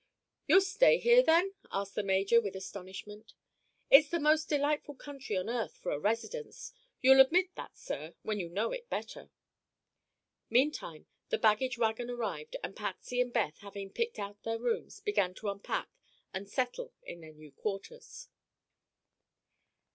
"You'll stay here, then?" asked the major, with astonishment. "It's the most delightful country on earth, for a residence. You'll admit that, sir, when you know it better." Meantime the baggage wagon arrived and Patsy and Beth, having picked out their rooms, began to unpack and "settle" in their new quarters.